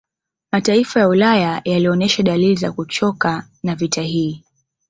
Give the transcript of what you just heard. Mataifa ya Ulaya yalionesha dalili za kuchoka na vita hii